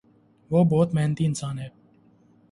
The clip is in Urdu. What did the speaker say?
وہ بہت محنتی انسان ہے۔